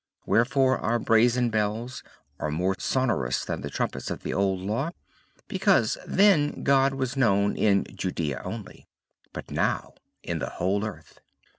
Wherefore our brazen bells are more sonorous than the trumpets of the Old Law, because then GOD was known in Judea only, but now in the whole earth.